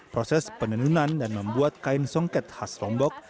proses penenunan dan membuat kain songket khas lombok